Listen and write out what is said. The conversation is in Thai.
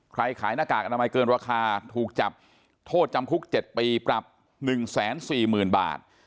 ขายหน้ากากอนามัยเกินราคาถูกจับโทษจำคุก๗ปีปรับ๑๔๐๐๐บาท